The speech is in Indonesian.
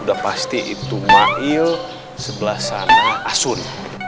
sudah pasti itu mail sebelah sana asun